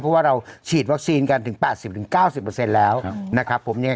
เพราะว่าเราฉีดวัคซีนกันถึง๘๐๙๐แล้วนะครับผมเนี่ย